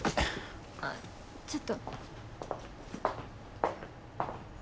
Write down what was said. ああちょっと。